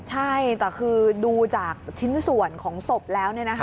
ใช่แต่คือดูจากชิ้นส่วนของศพแล้ว